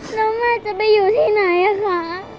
แล้วแม่จะไปอยู่ที่ไหนคะ